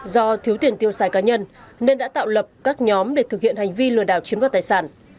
do thiếu tiền tiêu xài cá nhân nên đã tạo lập các nhóm để thực hiện hành vi lừa đảo chiếm đoạt tài sản